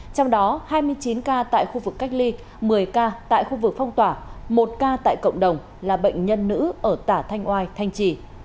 trong đó hai mươi chín ca tại khu vực cách ly một mươi ca tại khu vực phong tỏa một ca tại cộng đồng là bệnh nhân nữ ở tả thanh oai thanh trì